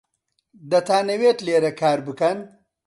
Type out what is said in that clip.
دەتانەوێت لێرە کار بکەن؟